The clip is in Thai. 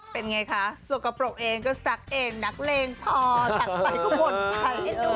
เป็นไงคะสุขปรกเองก็สักเองนักเล่นพอจัดไฟก็หมดพัน